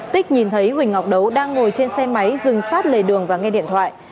tích nhìn thấy huỳnh ngọc đấu đang ngồi trên xe máy dừng sát lề đường và nghe điện thoại